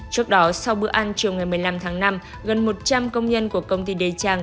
trước đó sau bữa ăn chiều ngày một mươi năm tháng năm gần một trăm linh công nhân của công ty đê trang